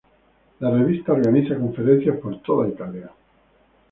La revista organiza conferencias por toda Italia.